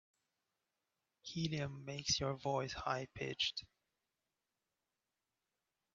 Helium makes your voice high pitched.